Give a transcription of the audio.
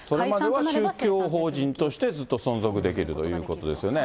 それまでは宗教法人として、ずっと存続できるということですよね。